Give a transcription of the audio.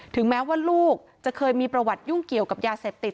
แม้ว่าลูกจะเคยมีประวัติยุ่งเกี่ยวกับยาเสพติด